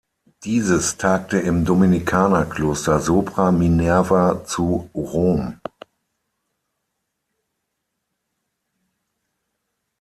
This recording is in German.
Dieses tagte im Dominikanerkloster Sopra Minerva zu Rom.